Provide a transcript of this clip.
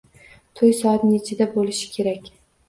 To`y soat nechchida bo`lishi kerak